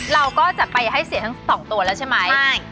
เราก็จัดไปให้เสียทั้งสองตัวแล้วใช่ไหมใช่